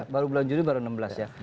baru bulan juni baru enam belas ya